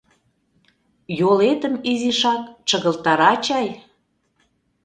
Йолетым изишак чыгылтара чай?..